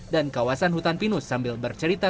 dan kawasan hutan pinus sambil bercerita